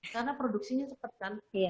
karena produksinya cepet kan